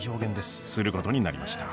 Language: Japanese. することになりました。